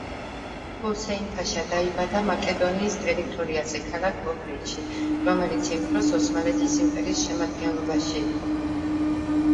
ჰუსეინ-ფაშა დაიბადა მაკედონიის ტერიტორიაზე, ქალაქ ოჰრიდში, რომელიც იმ დროს ოსმალეთის იმპერიის შემადგენლობაში იყო.